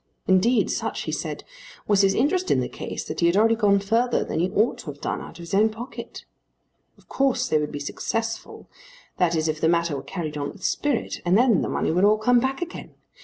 Indeed such, he said, was his interest in the case that he had already gone further than he ought to have done out of his own pocket. Of course they would be successful, that is if the matter were carried on with spirit, and then the money would all come back again.